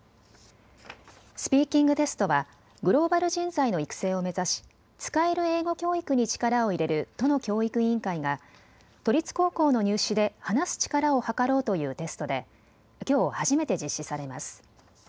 スピーキングテストはグローバル人材の育成を目指し使える英語教育に力を入れる都の教育委員会が都立高校の入試で話す力をはかろうというテストできょう初めて実施されます。